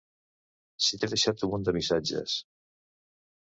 Si t'he deixat un munt de missatges.